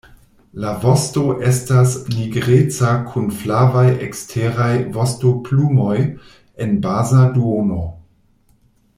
La vosto estas nigreca kun flavaj eksteraj vostoplumoj en baza duono.